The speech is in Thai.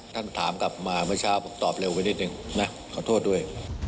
ท่านถามกลับมาเมื่อเช้าผมตอบเร็วไปนิดนึงนะขอโทษด้วย